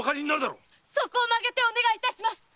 〔そこを曲げてお願いいたします！〕